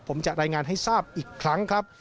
ผมจะรายงานให้ทราบอีกครั้งครับ